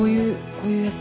こういうやつ。